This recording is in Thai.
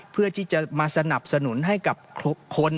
เพื่อที่จะมาสนับสนุนให้กับคน